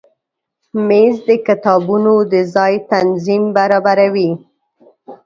مېز د کتابونو د ځای تنظیم برابروي.